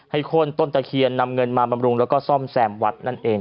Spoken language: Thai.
โค้นต้นตะเคียนนำเงินมาบำรุงแล้วก็ซ่อมแซมวัดนั่นเอง